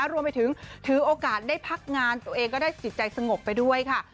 รวมไปถึงถือโอกาสได้พักงานตัวเองก็ได้จิตใจสงบไปด้วยค่ะ